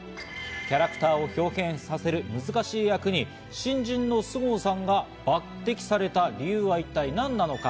キャラクターを豹変させる難しい役に新人の菅生さんが抜擢された理由は一体何なのか。